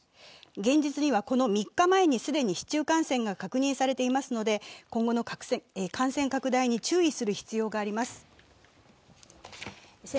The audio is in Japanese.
現実にはこの３日前に既に市中感染が確認されていますので今後の感染拡大に注意する必要があります。